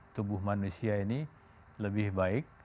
tubuh manusia ini lebih baik